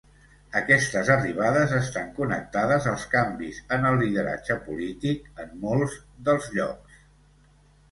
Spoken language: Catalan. Aquestes arribades estan connectades als canvis en el lideratge polític en molts dels llocs.